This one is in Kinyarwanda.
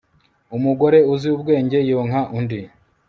umugore uzi ubwenge yonka undi